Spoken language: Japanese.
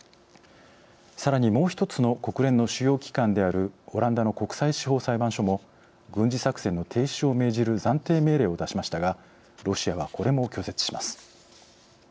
さらにもう１つの国連の主要機関であるオランダの国際司法裁判所も軍事作戦の停止を命じる暫定命令を出しましたがロシアはこれも拒絶します。